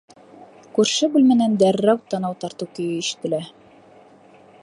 Күрше бүлмәнән дәррәү танау тартыу көйө ишетелә.